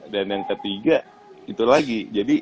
dan yang ketiga itu lagi